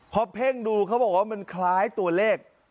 พอเพ่งดูเขาบอกว่ามันคล้ายตัวเลข